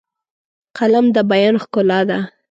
قلم د بیان ښکلا ده